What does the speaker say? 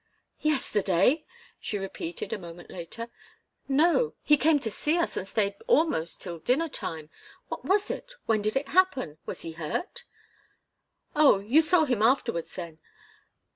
"Yesterday?" she repeated, a moment later. "No he came to see us and stayed almost till dinner time. What was it? When did it happen? Was he hurt?" "Oh you saw him afterwards, then?"